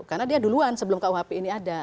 karena dia duluan sebelum kuhp ini ada